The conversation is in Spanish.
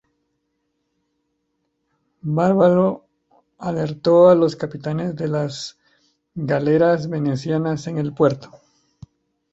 Barbaro alertó a los capitanes de las galeras venecianas en el puerto.